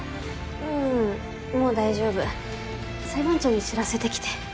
うんもう大丈夫裁判長に知らせてきて。